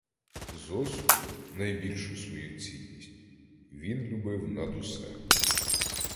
Зосю, найбільшу свою цінність, він любив над усе.